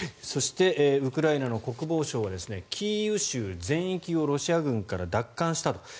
そして、ウクライナの国防次官はキーウ州全域をロシア軍から奪還したと。